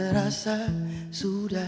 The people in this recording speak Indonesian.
kami akan mencoba